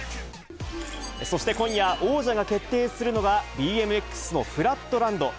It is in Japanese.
そして今夜、王者が決定するのがＢＭＸのフラットランド。